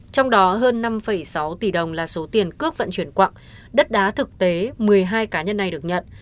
trong đó hơn năm sáu tỷ đồng là số tiền cước vận chuyển quặng đất đá thực tế một mươi hai cá nhân này được nhận